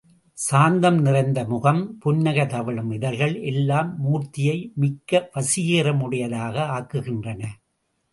சாந்தம் நிறைந்த முகம், புன்னகை தவழும் இதழ்கள் எல்லாம் மூர்த்தியை மிக்க வசீகரமுடையதாக ஆக்குகின்றன.